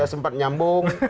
ya sempat nyambung